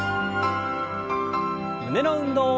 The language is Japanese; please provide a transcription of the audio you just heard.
胸の運動。